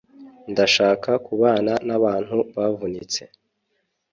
ndashaka kubana nabantu bavunitse